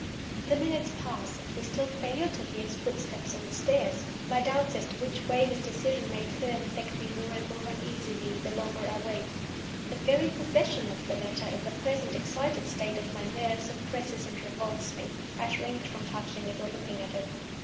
The minutes pass; and still we fail to hear his footstep on the stairs. My doubts as to which way his decision may turn affect me more and more uneasily the longer I wait. The very possession of the letter, in the present excited state of my nerves, oppresses and revolts me. I shrink from touching it or looking at it.